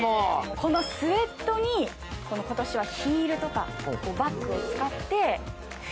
このスウェットに今年はヒールとかバッグを使って。